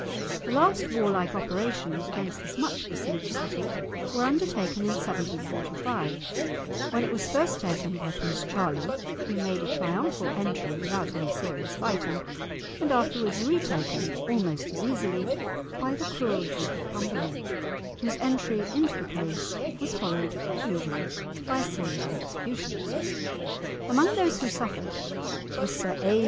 The last warlike operations against this much besieged city were undertaken in 1745, when it was first taken by Prince Charlie, who made a triumphal entry without any serious fighting, and afterwards retaken almost as easily by the cruel Duke of Cumberland, whose entry into the place was followed, as usual, by a series of executions. Among those who suffered was Sir A.